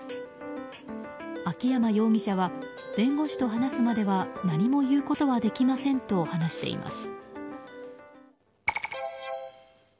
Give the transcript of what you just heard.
秋山容疑者は弁護士と話すまでは何も言うことはできませんと話しています。